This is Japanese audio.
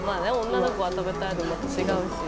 女の子は食べたいのまた違うし。